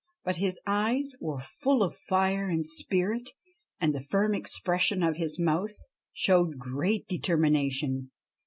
But his eyes were full of fire and spirit, and the firm expression of his mouth showed great determination.